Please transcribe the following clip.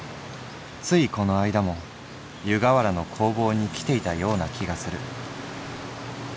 ついこの間も湯河原の工房にきていたような気がする」。